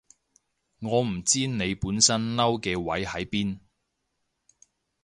我唔知你本身嬲嘅位喺邊